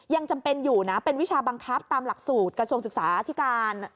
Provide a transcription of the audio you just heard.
ยังจำเป็นอยู่นะเป็นวิชาบังคับตามหลักสูตรกระทรวงศึกษาที่การ